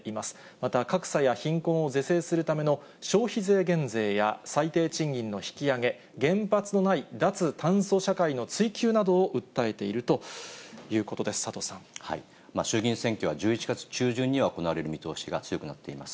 また格差や貧困を是正するための消費税減税や最低賃金の引き上げ、原発のない脱炭素社会の追求などを訴えているということです、衆議院選挙は１１月中旬には行われる見通しが強くなっています。